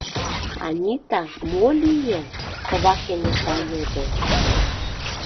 — Анита, мо лие? — кова кенета йодо.